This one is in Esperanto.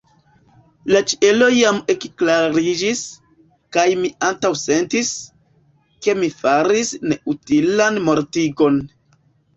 La ĉielo jam ekklariĝis, kaj mi antaŭsentis, ke mi faris neutilan mortigon.